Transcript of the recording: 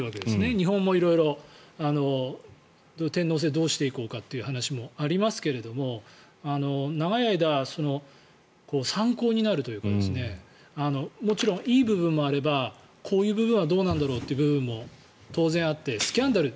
日本も色々、天皇制どうしていこうかという話がありますが長い間、参考になるというかもちろん、いい部分もあればこういう部分はどうなんだろうという部分も当然あって、スキャンダル